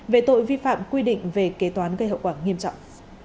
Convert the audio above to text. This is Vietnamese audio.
về tội vi phạm quy định về kế toán gây hậu quả nghiêm trọng